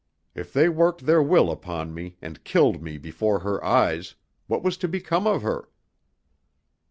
If they worked their will upon me, and killed me before her eyes, what was to become of her?